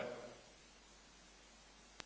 kesuruhan set kopf